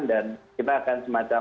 dan kita akan semacam